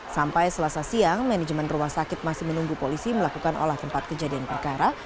sampai selasa siang manajemen rumah sakit masih menunggu polisi melakukan olah tempat kejadian perkara